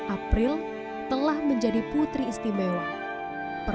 april telah menjadi putri istimewa